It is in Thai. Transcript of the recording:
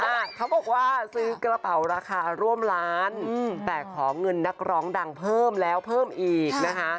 เขาบอกว่าซื้อกระเป๋าราคาร่วมล้านแต่ขอเงินนักร้องดังเพิ่มแล้วเพิ่มอีกนะคะ